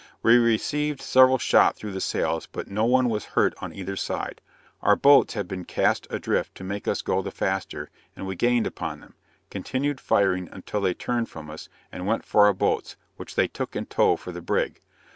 We received several shot through the sails, but no one was hurt on either side. Our boats had been cast adrift to make us go the faster, and we gained upon them continued firing until they turned from us, and went for our boats, which they took in tow for the brig.